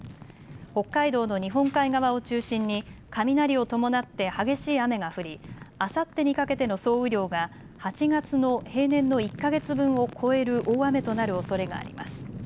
北海道の日本海側を中心に雷を伴って激しい雨が降りあさってにかけての総雨量が８月の平年の１か月分を超える大雨となるおそれがあります。